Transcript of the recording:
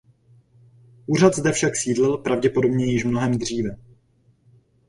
Úřad zde však sídlil pravděpodobně již mnohem dříve.